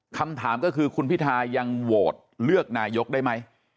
คำถามก็คือคุณพิทายังโหวตเลือกนายกได้ไหม